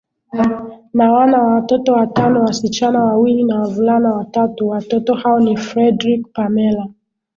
na wana watoto watano wasichana wawili na wavulana watatu Watoto hao ni Fredrick Pamella